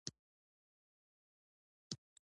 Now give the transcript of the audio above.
غرمه د کور په زنګانه کې د خاموشۍ غېږه ده